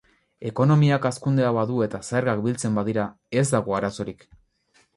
Ekonomiak hazkundea badu eta zergak biltzen badira, ez dago arazorik.